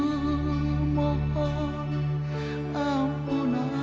aku meminta perbaikanmu